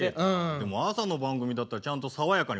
でも朝の番組だったらちゃんと爽やかにお送りしないと。